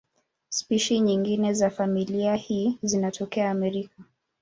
Spishi nyingine za familia hii zinatokea Amerika.